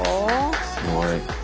すごい。